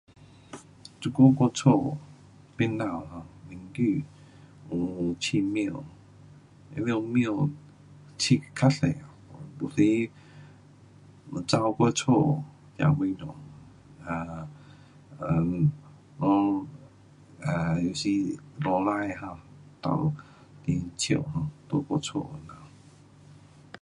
这久我家边头有一地有养猫，他们养较多，有时有跑我家吃东西 um um 啊有时大便 um 就很臭。